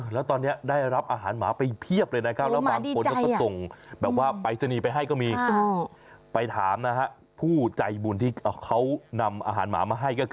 แล้วตอนนี้ได้รับอาหารหมาไปเยอะไหร่นะครับ